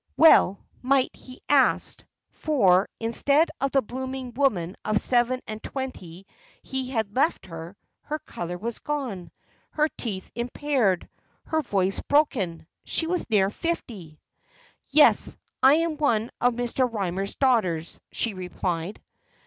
Well might he ask; for, instead of the blooming woman of seven and twenty he had left her, her colour was gone, her teeth impaired, her voice broken. She was near fifty. "Yes, I am one of Mr. Rymer's daughters," she replied.